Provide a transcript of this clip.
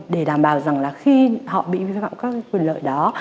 để đảm bảo rằng là khi họ bị vi phạm các quyền lợi đó